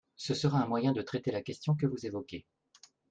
Ce sera un moyen de traiter la question que vous évoquez.